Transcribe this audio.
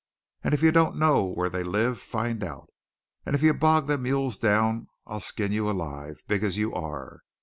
And if you don't know where they live, find out; and if you bog them mules down I'll skin you alive, big as you are.